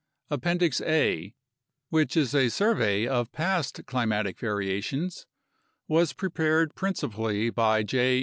Appendix A, which is a survey of past climatic variations, was pre pared principally by J.